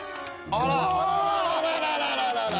あららららららら。